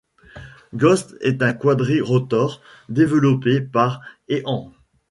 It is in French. Ghost est un quadrirotor développé par Ehang.